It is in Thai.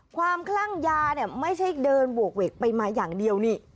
คลั่งยาเนี่ยไม่ใช่เดินบวกเวกไปมาอย่างเดียวนี่